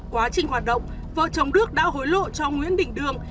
quá trình hoạt động vợ chồng đức đã hối lộ cho nguyễn đình đương